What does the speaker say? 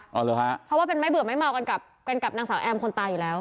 เอาเหรอฮะเพราะว่าเป็นไม่เบื่อไม่เมากันกับกันกับนางสาวแอมคนตายอยู่แล้ว